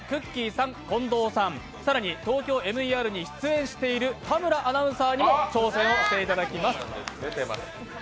さん近藤さん、更に「ＴＯＫＹＯＭＥＲ」に出演している田村アナウンサーにも挑戦をしていただきます。